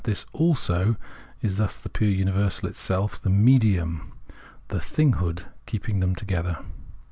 This " Also " is thus the pm:e universal itself, the " medium," the " Thing hood " keeping them together.